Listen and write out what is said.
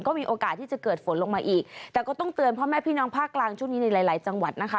ก็มีโอกาสที่จะเกิดฝนลงมาอีกแต่ก็ต้องเตือนพ่อแม่พี่น้องภาคกลางช่วงนี้ในหลายหลายจังหวัดนะคะ